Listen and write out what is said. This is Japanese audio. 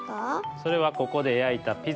それはここでやいたピザです。